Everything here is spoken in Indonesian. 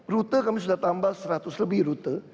rute kami sudah tambah seratus lebih rute